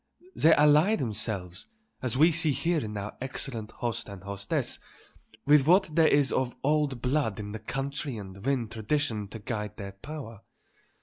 They ally themselves, as we see here in our excellent host and hostess, with what there is of old blood in the country and win tradition to guide their power.